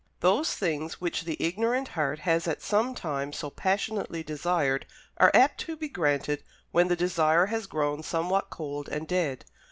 Those things which the ignorant heart has at some time so passionately desired are apt to be granted when the desire has grown somewhat cold and dead.